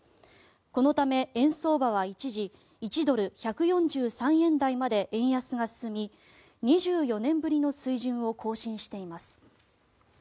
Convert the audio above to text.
このため、円相場は一時、１ドル＝１４３円台まで円安が進み、２４年ぶりの水準を更新しています。